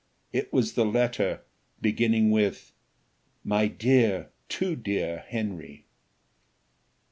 It was the letter beginning with "My dear too dear Henry."